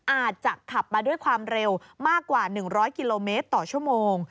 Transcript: อาจจะขับมาด้วยความเร็วมากกว่า๑๐๐กิโลเมตรต่อชั่วโมง